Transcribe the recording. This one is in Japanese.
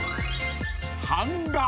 ［版画］